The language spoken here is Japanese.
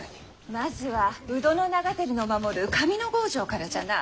まずは鵜殿長照の守る上ノ郷城からじゃな。